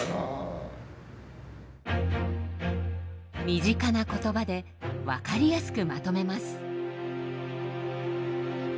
身近な言葉で分かりやすくまとめます。